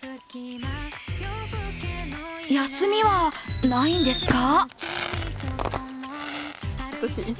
休みはないんですか？